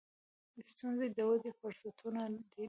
• ستونزې د ودې فرصتونه دي.